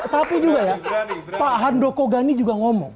tapi juga ya pak handoko gani juga ngomong